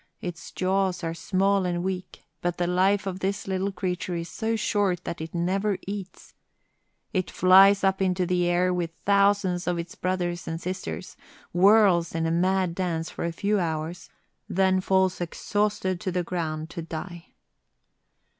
Its jaws are small and weak, but the life of this little creature is so short that it never eats. Up it flies into the air with thousands of its brothers and sisters, whirls in a mad dance for a few hours, then falls exhausted to the ground to die.